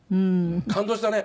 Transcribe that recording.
感動したね。